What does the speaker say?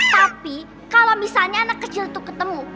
tapi kalau misalnya anak kecil itu ketemu